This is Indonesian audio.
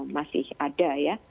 masih ada ya